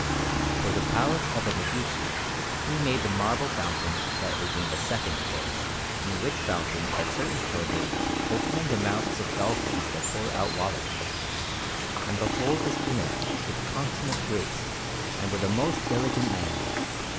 For the Palace of the Medici he made the marble fountain that is in the second court; in which fountain are certain children opening the mouths of dolphins that pour out water; and the whole is finished with consummate grace and with a most diligent manner.